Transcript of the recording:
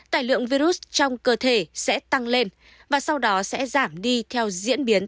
tài lượng virus trong cơ thể sẽ tăng lên và sau đó sẽ giảm đi theo diễn biến